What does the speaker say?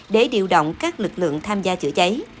để điều động các lực lượng tham gia chữa cháy